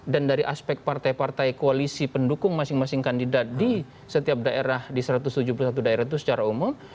dan dari aspek partai partai koalisi pendukung masing masing kandidat di setiap daerah di satu ratus tujuh puluh satu daerah itu secara umum